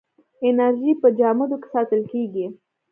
انرژي په جامدو کې ساتل کېږي.